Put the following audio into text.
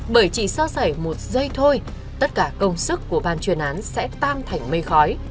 bởi chỉ sơ sẩy một giây thôi tất cả công sức của ban chuyên án sẽ tan thành mây khói